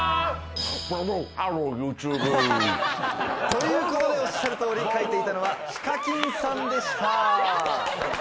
ということで、おしゃる通り、描いていたのはＨＩＫＡＫＩＮさんでした。